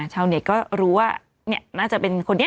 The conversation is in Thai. ชาวเด็กก็รู้ว่าเนี่ยน่าจะเป็นคนนี้